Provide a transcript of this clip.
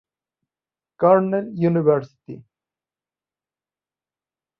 Cornell University.